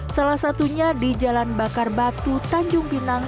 salah satunya di jalan bakar batu tanjung pinang